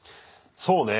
そうね。